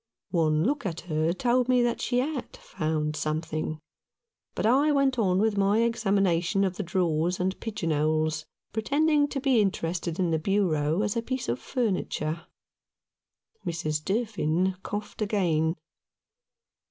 One look at her told me that she had found something ; but I went on with my examination of the drawers and pigeon holes, pretending to be interested in the bureau as a piece of furniture. Mrs. Durfin coughed again.